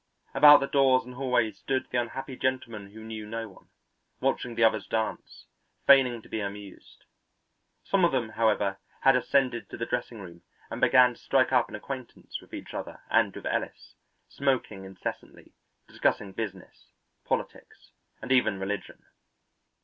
About the doors and hallways stood the unhappy gentlemen who knew no one, watching the others dance, feigning to be amused. Some of them, however, had ascended to the dressing room and began to strike up an acquaintance with each other and with Ellis, smoking incessantly, discussing business, politics, and even religion.